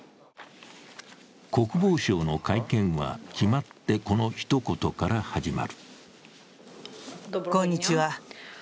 国防省の会見は決まってこの一言から始まる。